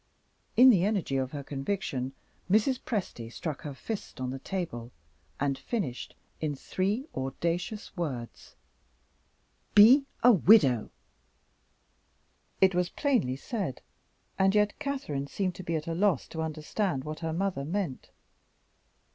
In the energy of her conviction, Mrs. Presty struck her fist on the table, and finished in three audacious words: "Be a Widow!" It was plainly said and yet Catherine seemed to be at a loss to understand what her mother meant.